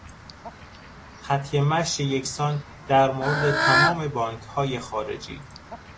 خط مشی یکسان در مورد تمام بانکهای خارجی